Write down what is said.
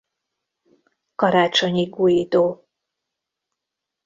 Karácsonyi Guidó.